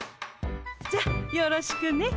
じゃあよろしくね。